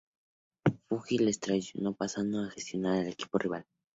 Fuji les traicionó, pasando a gestionar al equipo rival.